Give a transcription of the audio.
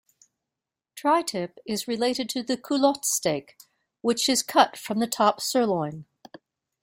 Tri-tip is related to the culotte steak, which is cut from the top sirloin.